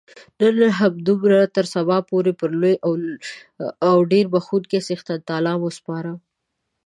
نن همدومره تر سبا پورې پر لوی او ډېر بخښونکي څښتن تعالا مو سپارم.